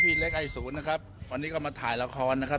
เล็กไอศูนย์นะครับวันนี้ก็มาถ่ายละครนะครับ